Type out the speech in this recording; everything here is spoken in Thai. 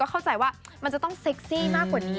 เข้าใจว่ามันจะต้องเซ็กซี่มากกว่านี้